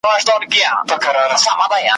نه چا د پیر بابا له قبر سره `